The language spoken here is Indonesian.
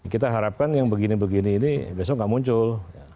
kita harapkan yang begini begini ini besok nggak muncul